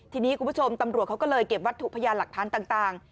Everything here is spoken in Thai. ทีนี้คุณผู้ชมตำรวจเขาก็เลยเก็บวัตถุพยานหลักฐานต่าง